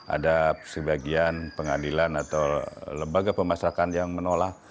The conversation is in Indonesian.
ada sebagian pengadilan atau lembaga pemasrakan yang menolak